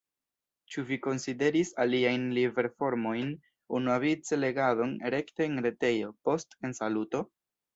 Ĉu vi konsideris aliajn liverformojn, unuavice legadon rekte en retejo, post ensaluto?